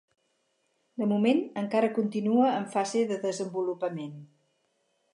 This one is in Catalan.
De moment encara continua en fase de desenvolupament.